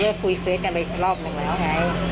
เลิกคุยเฟสกันไปรอบนึงแล้วไง